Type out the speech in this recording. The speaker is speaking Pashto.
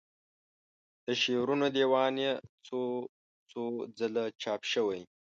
د شعرونو دیوان یې څو څو ځله چاپ شوی.